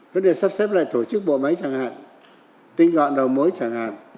vấn đề sắp xếp lại tổ chức bộ máy chẳng hạn tinh gọn đầu mối chẳng hạn